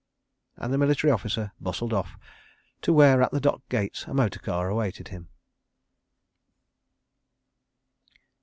..." and the Military Landing Officer bustled off to where at the Dock gates a motor car awaited him.